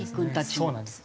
そうなんですよ。